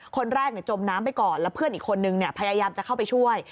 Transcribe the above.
คนแรกจมน้ำไปก่อนแล้วเพื่อนอีกคนนึงพยายามจะเข้าไปช่วย